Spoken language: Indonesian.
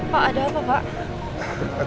pak ada apa pak